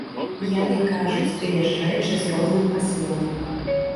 Яны кажуць тыя ж рэчы з розным пасылам.